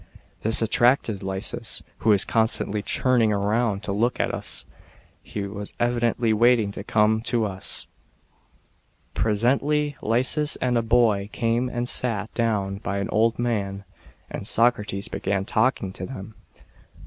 This attracted Lysis, who was constantly turning round to look at us he was evidently wanting to come to us/ 3 Presently Lysis and a boy friend came and sat down by the old man, and Socrates began talking to them.